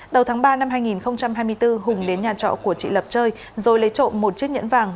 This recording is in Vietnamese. đầu tháng ba năm hai nghìn hai mươi bốn hùng đến nhà trọ của chị lập chơi rồi lấy trộm một chiếc nhẫn vàng